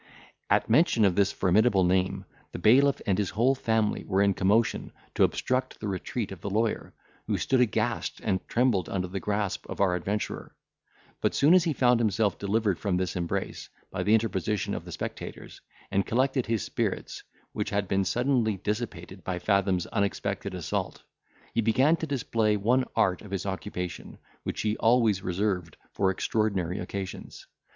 At mention of this formidable name, the bailiff and his whole family were in commotion, to obstruct the retreat of the lawyer, who stood aghast and trembled under the grasp of our adventurer. But, soon as he found himself delivered from this embrace, by the interposition of the spectators, and collected his spirits, which had been suddenly dissipated by Fathom's unexpected assault, he began to display one art of his occupation, which he always reserved for extraordinary occasions.